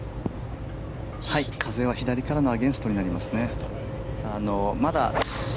風は左からのアゲンストになりますね。